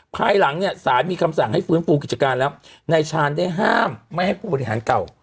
ภายหลังเนี่ยสารมีคำสั่งให้ฟื้นฟูกิจการแล้วนายชาญได้ห้ามไม่ให้ผู้บริหารเก่า